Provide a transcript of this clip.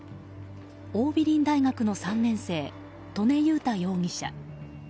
桜美林大学の３年生刀祢雄太容疑者。